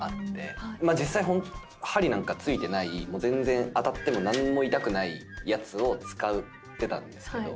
実際針なんかついてない全然当たっても何にも痛くないやつを使ってたんですけど。